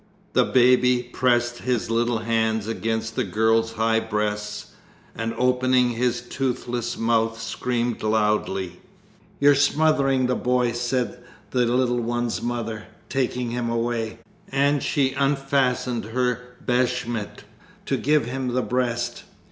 The baby pressed his little hands against the girl's high breasts, and opening his toothless mouth screamed loudly. "You're smothering the boy!" said the little one's mother, taking him away; and she unfastened her beshmet to give him the breast.